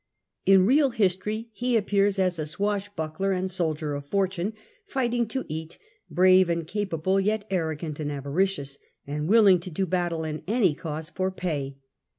In real history he appears as a swashbuckler and soldier of fortune, "fighting to eat," brave and capable, yet arrogant and avaricious, and willing to do battle in any cause for pay.